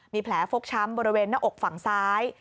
มีแผลฟกช้ำบริเวณหน้าอกฝั่งซ้าย